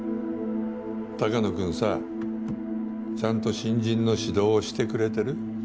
鷹野君さちゃんと新人の指導してくれてる？